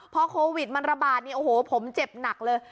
เพราะโควิด๑๙มันระบาดผมเจ็บหนักเลย